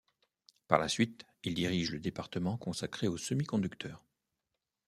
Par la suite, il dirige le département consacré aux semi-conducteurs.